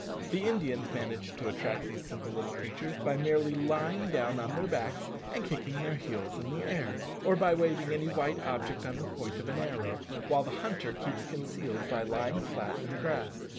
The Indians manage to attract these simple little creatures by merely lying down on their backs and kicking their heels in the air, or by waving any white object on the point of an arrow, while the hunter keeps concealed by lying flat in the grass.